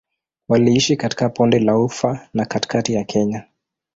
Waliishi katika Bonde la Ufa na katikati ya Kenya.